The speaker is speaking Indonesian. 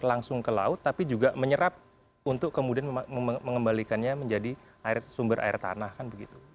langsung ke laut tapi juga menyerap untuk kemudian mengembalikannya menjadi sumber air tanah kan begitu